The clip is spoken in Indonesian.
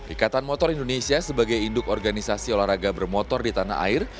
ikatan motor indonesia sebagai induk organisasi olahraga bermotor di tanah air